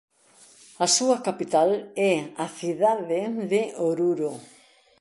A súa capital é a cidade de Oruro.